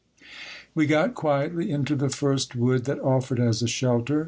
We got quietly into the first wood that offered as a shelter.